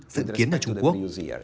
dự kiến ở trung quốc